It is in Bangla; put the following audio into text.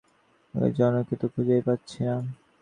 আগের জনকে তো খুঁজেই পাচ্ছিনা।